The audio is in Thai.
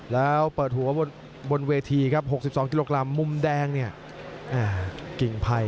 แล้วเปิดหัวบนเวที๖๒กิโลกรัมมุมแดงกิ่งไภ